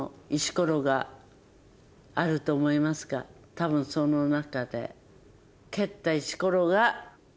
多分その中で。